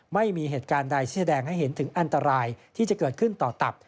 ไม่มีเหตุการณ์ใดที่แสดงให้เห็นถึงอันตรายที่จะเกิดขึ้นต่อตับ